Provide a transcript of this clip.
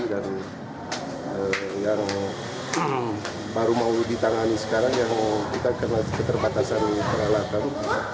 dan yang baru mau ditangani sekarang yang kita kena keterbatasan peralatan